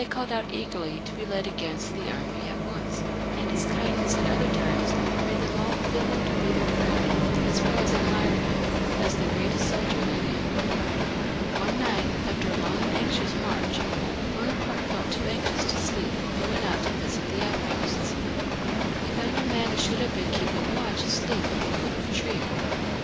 425 called out eagerly to be led against the enemy at once ; and his kindness at other times made them all feel him to be their friend, as weU as admir^ him as the greatest soldier they knew. One night, after a long and anxious march, Bonaparte felt too anxious to sleep, and went out to visit the outposts. He found a man who should have been keeping watch asleep at the root of a tree.